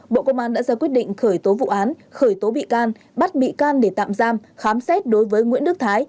bộ công an đã ra quyết định khởi tố vụ án khởi tố bị can bắt bị can để tạm giam khám xét đối với nguyễn đức thái